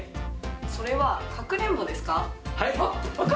それはかくれんぼですか？